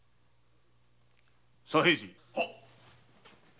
左平次！